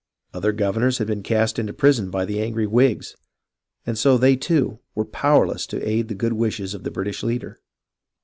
Other governors had been cast into prison by the angry Whigs, and so they, too, were powerless to aid the good wishes of the British leader.